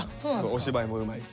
お芝居もうまいし。